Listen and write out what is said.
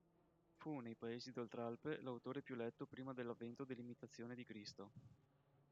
Fu nei Paesi d’Oltralpe l’autore più letto prima dell’avvento dell’"Imitazione di Cristo”.